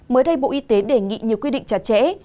mới đây bộ y tế đề nghị nhiều quy định chặt chẽ